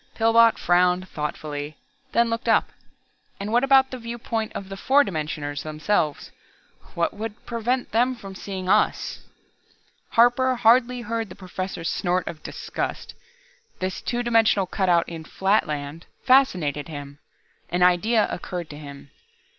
Pillbot frowned thoughtfully, then looked up. "And what about the viewpoint of the four dimensioners themselves what would prevent them from seeing us?" Harper hardly heard the Professor's snort of disgust. This two dimensional cutout in "Flatland" fascinated him. An idea occurred to him.